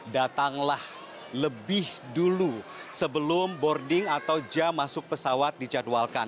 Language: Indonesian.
datanglah lebih dulu sebelum boarding atau jam masuk pesawat dijadwalkan